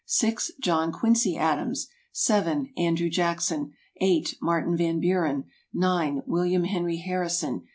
(6) John Quincy Adams. (7) Andrew Jackson. (8) Martin Van Buren. (9) William Henry Harrison.